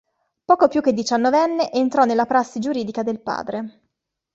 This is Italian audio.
Poco più che diciannovenne, entrò nella prassi giuridica del padre.